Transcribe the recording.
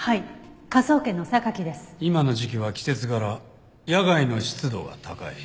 今の時期は季節柄野外の湿度が高い。